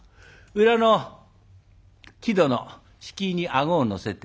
裏の木戸の敷居に顎をのせて。